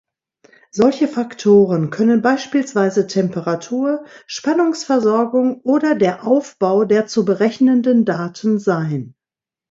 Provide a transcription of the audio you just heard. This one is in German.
Solche Faktoren können beispielsweise Temperatur, Spannungsversorgung oder der Aufbau der zu berechnenden Daten sein.